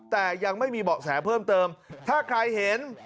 แต่ยังไม่มีเบาะแสเพิ่มเติมถ้าใครเห็น